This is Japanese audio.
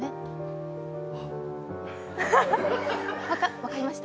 分かりました？